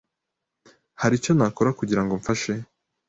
Hari icyo nakora kugirango mfashe?